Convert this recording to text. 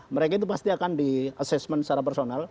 mereka itu pasti akan di assessment secara personal